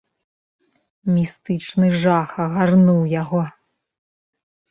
Містычны жах агарнуў яго.